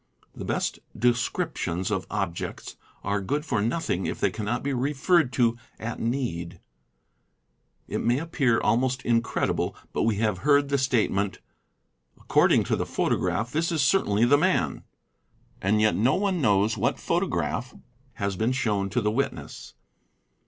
The best descriptions of objects are _ good for nothing if they cannot be referred to at need. It may appear 1 almost incredible, but we have heard the statement, " According to the _ photograph, this is certainly the man," and yet no one knows what photograph has been shown to the witness.